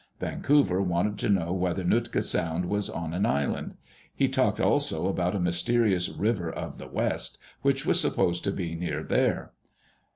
Vancouver wanted to know whether Nootka Sound was on an island. He talked also about ^ mysterious River of the West which was supposed to be near there.